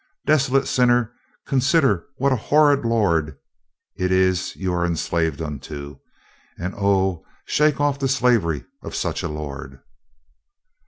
Desolate sinner, consider what a horrid lord it is you are enslaved unto, and oh, shake off the slavery of such a lord."